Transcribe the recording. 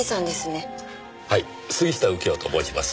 はい杉下右京と申します。